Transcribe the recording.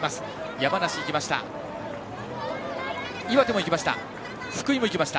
山梨が行きました。